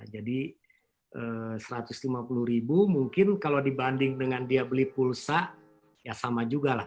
jadi satu ratus lima puluh ribu mungkin kalau dibanding dengan dia beli pulsa ya sama juga lah